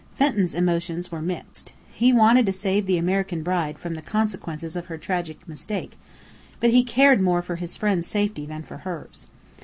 Fenton's emotions were mixed. He wanted to save the American bride from the consequences of her tragic mistake, but he cared more for his friends' safety than for hers.